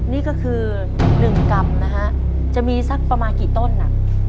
นี่ก็คือ๑กรัมนะฮะจะมีสักประมาณกี่ต้นอ่ะ